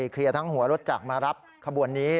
เคลียร์ทั้งหัวรถจักรมารับขบวนนี้